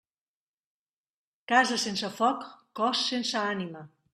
Casa sense foc, cos sense ànima.